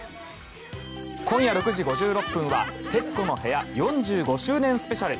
今夜６時５６分は「徹子の部屋４５周年スペシャル」。